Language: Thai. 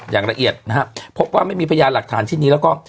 อย่างละเอียดนะครับพบว่าไม่มีพยานหลักฐานชิ้นนี้แล้วก็